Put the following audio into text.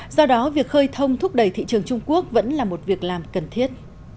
do đó việc khơi thông thúc đẩy thị trường trung quốc vẫn là một việc làm cần thiết